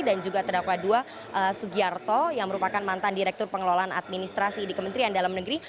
juga terdakwa dua sugiarto yang merupakan mantan direktur pengelolaan administrasi di kementerian dalam negeri